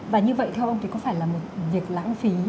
và như vậy theo ông thì có phải là một việc lãng phí